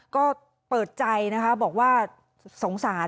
ก็เปิดใจบอกว่าสงสาร